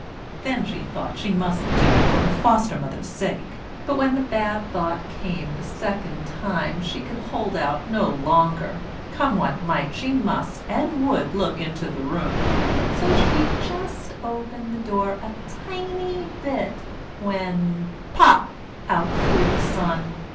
Then she thought she mustn't do it for her Foster mother's sake; but when the bad thought came the second time she could hold out no longer; come what might, she must and would look into the room; so she just opened the door a tiny bit, when POP! out flew the Sun.